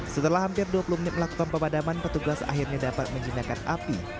setelah hampir dua puluh menit melakukan pemadaman petugas akhirnya dapat menjinakkan api